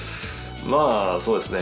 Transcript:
まぁそうですね